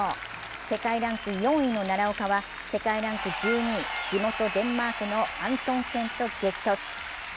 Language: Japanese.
世界ランク４位の奈良岡は世界ランク１２位地元デンマークのアントンセンと激突。